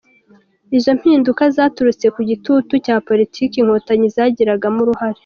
Izo mpinduka zaturutse ku gitutu cya politiki Inkotanyi zagiragamo uruhare.